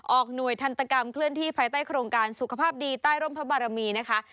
หน่วยทันตกรรมเคลื่อนที่ภายใต้โครงการสุขภาพดีใต้ร่มพระบารมีนะคะ